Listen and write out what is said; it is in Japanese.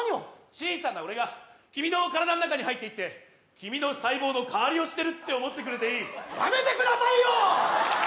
小さな俺が君の体んなかに入っていって君の細胞の代わりをしてるって思ってくれていいやめてくださいよ！